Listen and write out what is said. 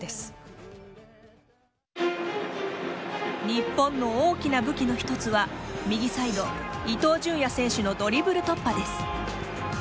日本の大きな武器の一つは右サイド伊東純也選手のドリブル突破です。